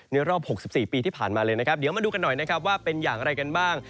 รอบ๖๔ปีที่ผ่านมาเลยนะครับเดี๋ยวมาดูกันหน่อยนะครับว่าเป็นอย่างไรกันบ้าง